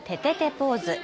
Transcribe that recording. ポーズ。